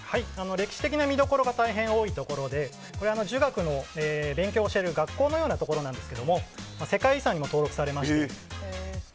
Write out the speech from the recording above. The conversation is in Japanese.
歴史的な見どころが大変多いところで儒学の勉強を教える学校のようなところなんですけど世界遺産にも登録されまして。